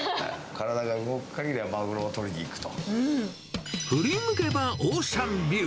体が動くかぎりは、マグロを取り振り向けばオーシャンビュー。